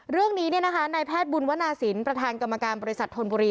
เรื่องนี้นายแพทย์บุญวนาศิลป์ประธานกรรมการบริษัทธนบุรี